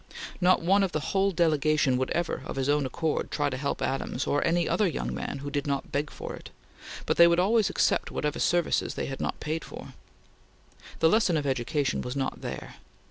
Not one of the whole delegation would ever, of his own accord, try to help Adams or any other young man who did not beg for it, although they would always accept whatever services they had not to pay for. The lesson of education was not there.